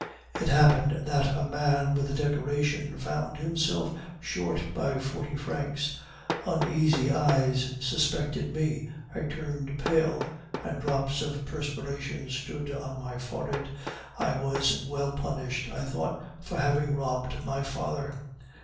It happened that a man with a decoration found himself short by forty francs. Uneasy eyes suspected me; I turned pale, and drops of perspiration stood on my forehead, I was well punished, I thought, for having robbed my father.